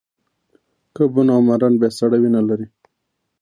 کبونه او ماران بیا سړه وینه لري